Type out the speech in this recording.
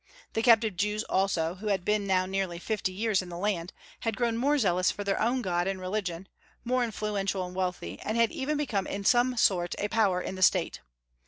The captive Jews also, who had been now nearly fifty years in the land, had grown more zealous for their own God and religion, more influential and wealthy, and even had become in some sort a power in the State.